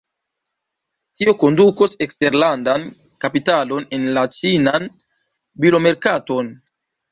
Tio kondukos eksterlandan kapitalon en la ĉinan bilomerkaton.